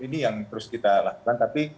ini yang terus kita lakukan tapi